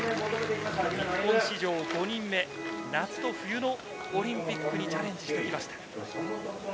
日本史上５人目、夏と冬のオリンピックにチャレンジしてきました。